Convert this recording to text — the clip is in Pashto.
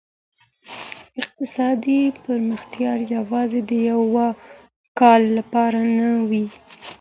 اقتصادي پرمختيا يوازي د يوه کال لپاره نه وي.